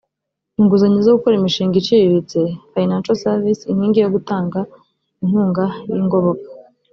inguzanyo zo gukora imishinga iciriritse financial services inkingi yo gutanga inkunga y ingoboka